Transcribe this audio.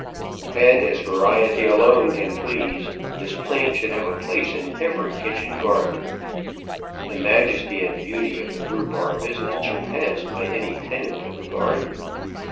And as variety alone can please, this plant should have a place in every kitchen garden. The majes ty and beauty of the rhubarb is not r surpass ed by any tenant of the garden.